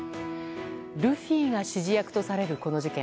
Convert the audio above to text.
ルフィが指示役とされるこの事件。